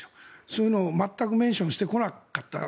そういうのを全くメンションしてこなかった。